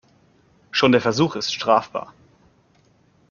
Schon der Versuch ist strafbar.